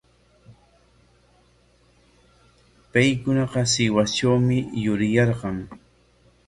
Paykunaqa Sihuastrawmi yuriyarqan.